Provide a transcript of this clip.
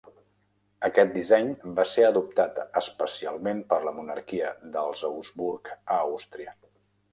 Aquest disseny va ser adoptat especialment per la monarquia dels Habsburg a Àustria.